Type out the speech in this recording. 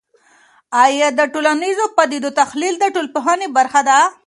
آیا د ټولنیزو پدیدو تحلیل د ټولنپوهنې برخه ده؟